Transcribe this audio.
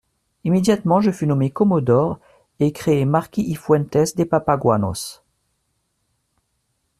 Immédiatement je fus nommé commodore et créé marquis y Fuentès de Papaguanos.